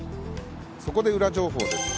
そこでウラ情報です。